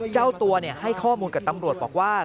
เจ้าตัวให้ข้อมูลกับตำรวจบอกว่า